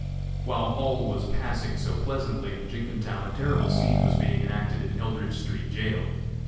While all was passing so pleasantly in Jenkintown, a terrible scene was being enacted in Eldridge street jail.